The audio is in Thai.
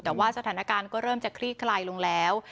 แต่ว่าสถานการณ์ก็เริ่มจะคลี่คลายลงแล้ว